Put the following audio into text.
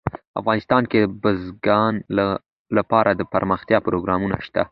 افغانستان کې د بزګان لپاره دپرمختیا پروګرامونه شته.